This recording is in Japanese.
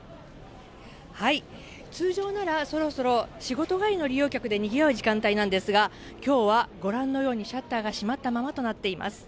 通常なら、そろそろ仕事帰りの利用客でにぎわう時間帯なんですが、きょうはご覧のように、シャッターが閉まったままとなっています。